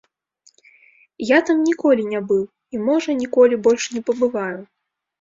Я там ніколі не быў і, можа, ніколі, больш не пабываю.